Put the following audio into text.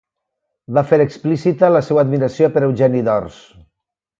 Va fer explícita la seva admiració per Eugeni d'Ors.